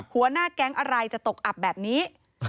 หัวหน้าแก๊งอะไรจะตกอับแบบนี้